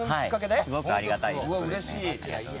すごくありがたいです。